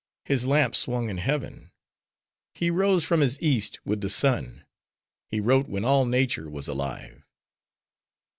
His lamp swung in heaven.— He rose from his East, with the sun; he wrote when all nature was alive.